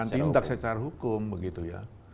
akan tindak secara hukum begitu ya